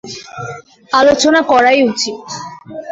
আলোচনা করাই উচিত।